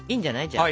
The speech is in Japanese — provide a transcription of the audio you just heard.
じゃあ。